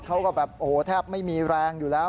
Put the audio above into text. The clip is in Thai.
เขาก็แบบโอ้โหแทบไม่มีแรงอยู่แล้ว